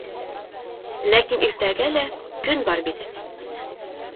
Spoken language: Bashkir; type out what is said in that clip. Ләкин иртәгә лә көн бар бит.